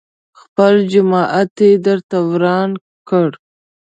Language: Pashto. خپل جومات يې درته وران کړ.